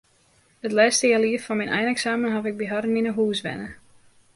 It lêste healjier foar myn eineksamen haw ik by harren yn 'e hûs wenne.